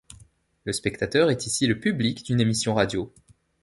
Le spectateur est ici le public d’une émission radio.